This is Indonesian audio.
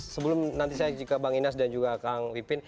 sebelum nanti saya ke bang inas dan kang titi